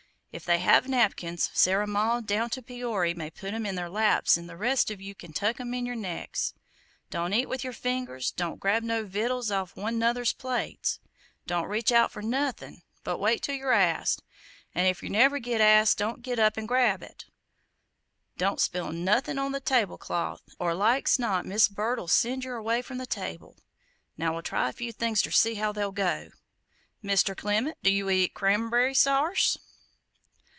If they have napkins, Sarah Maud down to Peory may put 'em in their laps 'n the rest of ye can tuck 'em in yer necks. Don't eat with yer fingers don't grab no vittles off one 'nother's plates; don't reach out for nothin', but wait till yer asked, 'n if yer never GIT asked don't git up and grab it don't spill nothin' on the table cloth, or like's not Mis' Bird 'll send yer away from the table. Now we'll try a few things ter see how they'll go! Mr. Clement, do you eat cramb'ry sarse?"